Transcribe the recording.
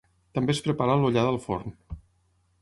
També es prepara l'ollada al forn.